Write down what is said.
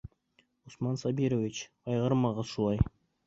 Усман Сабирович, ҡайғырмағыҙ шулай!